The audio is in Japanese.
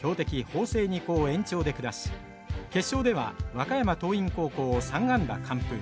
法政二高を延長で下し決勝では和歌山桐蔭高校を３安打完封。